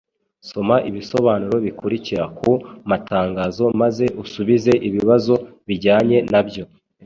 Soma ibisobanuro bikurikira ku matangazo maze usubize ibibazo bijyanye na byo.